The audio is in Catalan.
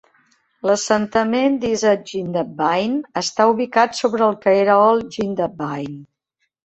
L'assentament d'East Jindabyne està ubicat sobre el que era Old Jindabyne.